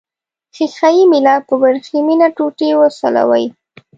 ښيښه یي میله په وریښمینه ټوټې وسولوئ.